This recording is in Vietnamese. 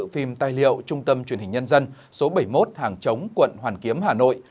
phim tài liệu trung tâm truyền hình nhân dân số bảy mươi một hàng chống quận hoàn kiếm hà nội